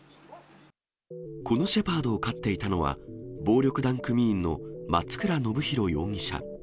このシェパードを飼っていたのは、暴力団組員の松倉信弘容疑者。